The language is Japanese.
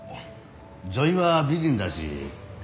女医は美人だし。